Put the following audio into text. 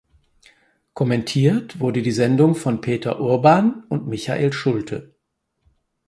Kommentiert wurde die Sendung von Peter Urban und Michael Schulte.